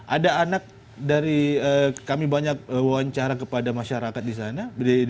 ada anak dari kami banyak wawancara kepada masyarakat disana